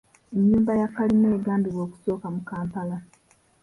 Ennyumba ya kalina egambibwa okusooka mu Kampala.